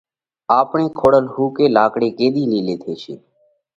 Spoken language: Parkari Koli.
آپڻئِي کوڙل ۿُوڪئِي لاڪڙئِي ڪِيۮِي نيلئِي ٿيشي؟